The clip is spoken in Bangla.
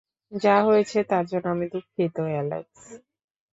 যা হয়েছে তার জন্য আমি দুঃখিত, অ্যালেক্স।